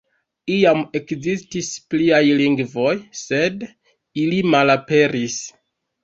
Iam ekzistis pliaj lingvoj, sed ili malaperis.